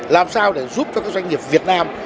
làm sao để giúp cho các doanh nghiệp việt nam